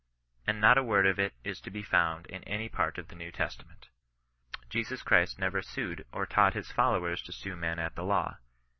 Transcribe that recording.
And not a word of it is to be foimd in any part of the New Testament. Jesus Christ never sued, or taught his followers to sue men at the law.